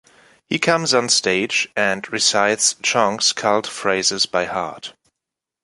He comes on stage and recites Chong's cult phrases by heart.